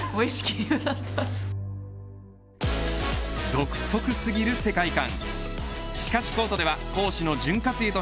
独特過ぎる世界感。